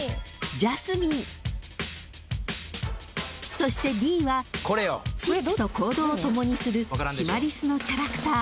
［そしてＤはチップと行動を共にするシマリスのキャラクター］